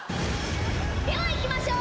ではいきましょう。